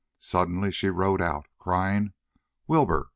Suddenly she rode out, crying: "Wilbur!"